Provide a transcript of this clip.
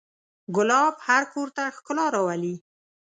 ګلاب هر کور ته ښکلا راولي.